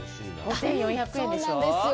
５４００円でしょ？